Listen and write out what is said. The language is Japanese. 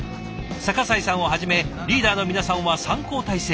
逆井さんをはじめリーダーの皆さんは３交代制。